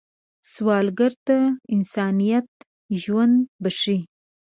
سوالګر ته انسانیت ژوند بښي